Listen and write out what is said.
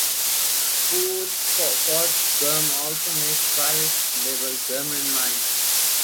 Ford Gum also makes private label gum and mints.